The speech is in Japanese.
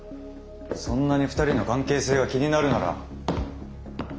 そんなに２人の関係性が気になるなら。